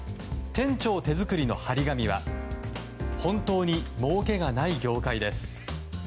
店長手作りの貼り紙は「本当に儲けがない業界です。」